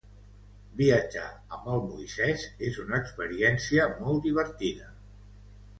Viatjar amb el Moisès és una experiència molt divertida.